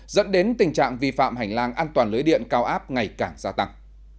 dẫn đến tình trạng vi phạm hành lang an toàn lưới điện cao áp ngày càng gia tăng